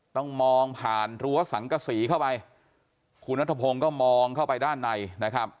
ต้องมองผ่านรั้วสังกษีเข้าไปคุณนัทพงศ์ก็มองเข้าไปด้านในนะครับ